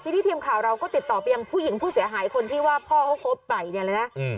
ทีนี้ทีมข่าวเราก็ติดต่อไปยังผู้หญิงผู้เสียหายคนที่ว่าพ่อเขาคบไปเนี่ยเลยนะ